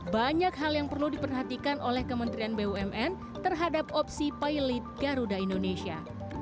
banyak hal yang perlu diperhatikan oleh kementerian bumn terhadap opsi pilot garuda indonesia